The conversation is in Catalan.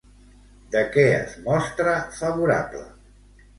De què es mostra favorable?